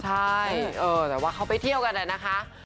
ใช่แต่ว่าเขาไปเที่ยวกันนะคะ